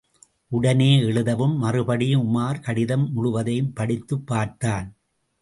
உடனே எழுதவும். மறுபடியும் உமார் கடிதம் முழுவதையும் படித்துப் பார்த்தான்.